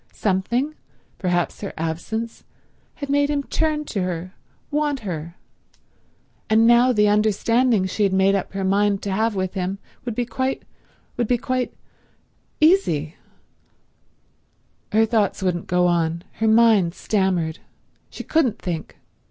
Something, perhaps her absence, had made him turn to her, want her ... and now the understanding she had made up her mind to have with him would be quite—would be quite—easy— Her thoughts wouldn't go on. Her mind stammered. She couldn't think.